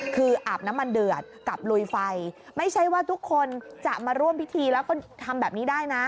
คืออาบน้ำมันเดือดกับลุยไฟไม่ใช่ว่าทุกคนจะมาร่วมพิธีแล้วก็ทำแบบนี้ได้นะ